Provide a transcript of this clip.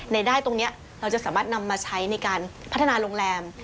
ได้ตรงนี้เราจะสามารถนำมาใช้ในการพัฒนาโรงแรม